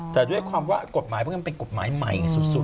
แต่ด้วยความว่ากฎหมายพวกนั้นเป็นกฎหมายใหม่สุด